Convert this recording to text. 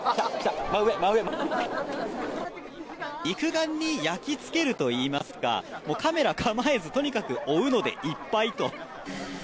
肉眼に焼き付けるといいますかカメラ構えずとにかく追うのでいっぱいと。